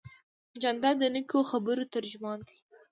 جانداد د نیکو خبرو ترجمان دی.